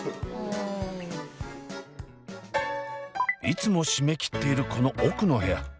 いつも閉め切っているこの奥の部屋。